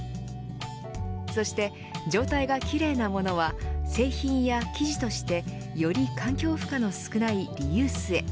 そして状態がきれいなものは製品や生地としてより環境負荷の少ないリユースへ。